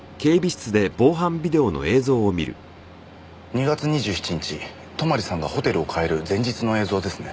２月２７日泊さんがホテルを変える前日の映像ですね。